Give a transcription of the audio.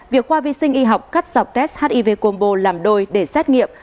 việc khoa vi sinh y học cắt dọc test hiv combo làm đôi để xét nghiệm